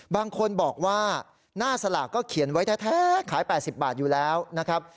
บางคนบอกว่าหน้าสลากก็เขียนไว้แท้ขาย๘๐บาทอยู่แล้วนะครับ